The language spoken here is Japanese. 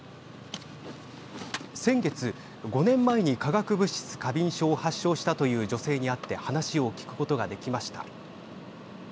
先月、５年前に化学物質過敏症を発症したという女性に会って話を聞くことができました。